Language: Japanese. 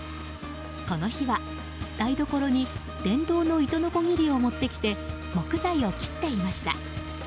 この日は台所に電動の糸のこぎりを持ってきて木材を切っていました。